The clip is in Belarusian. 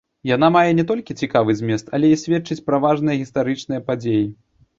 Яна мае не толькі цікавы змест, але і сведчыць пра важныя гістарычныя падзеі.